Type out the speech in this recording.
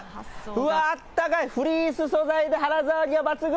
うわー、あったかい、フリース素材で肌触りが抜群。